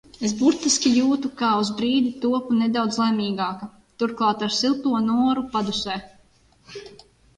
Es burtiski jūtu, kā uz brīdi topu nedaudz laimīgāka, turklāt ar silto Noru padusē.